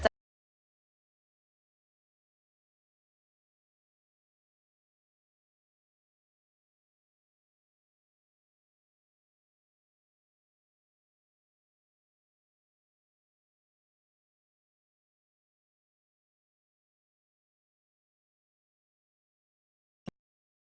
คือ๔คนเลย